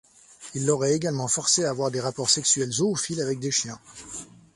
Il l'aurait également forcée à avoir des rapports sexuels zoophiles avec des chiens.